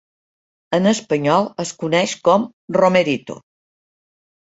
En espanyol es coneix com "romerito".